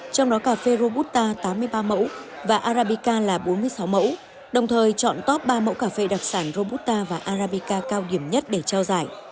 trong đó cà phê robusta tám mươi ba mẫu và arabica là bốn mươi sáu mẫu đồng thời chọn top ba mẫu cà phê đặc sản robusta và arabica cao điểm nhất để trao giải